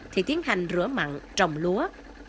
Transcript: thì tiến hành rửa mặn trồng lúa